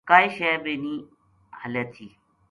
کائے شے بے نیہ ہَلے تھی